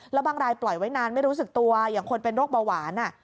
แล้วบางรายปล่อยไว้นานไม่รู้สึกตัวอย่างคนเป็นโรคเบาหวาน